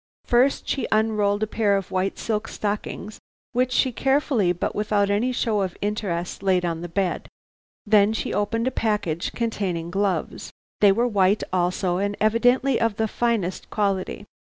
First she unrolled a pair of white silk stockings, which she carefully, but without any show of interest, laid on the bed; then she opened a package containing gloves. They were white also, and evidently of the finest quality.